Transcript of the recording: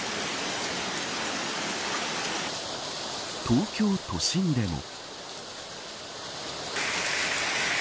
東京都心でも。